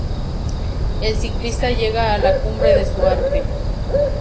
El ciclista llega a la cumbre de su arte.